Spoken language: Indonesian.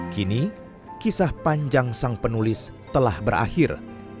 kini kisah panjang sang penulis telah berakhir